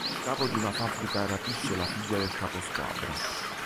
Il capo di una fabbrica rapisce la figlia del caposquadra.